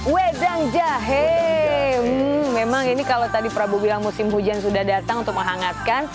wedang jahe memang ini kalau tadi prabu bilang musim hujan sudah datang untuk menghangatkan